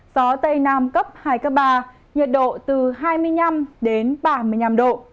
gió tây nam cấp hai cấp ba nhiệt độ từ hai mươi năm đến ba mươi năm độ